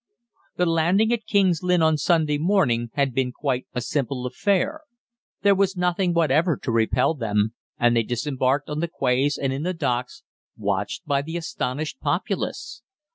The landing at King's Lynn on Sunday morning had been quite a simple affair. There was nothing whatever to repel them, and they disembarked on the quays and in the docks, watched by the astonished populace.